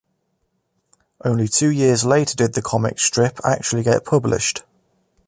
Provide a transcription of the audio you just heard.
Only two years later did the comic strip actually get published.